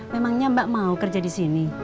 memangnya mbak mau kerja disini